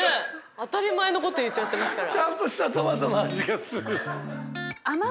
当たり前のこと言っちゃってますから。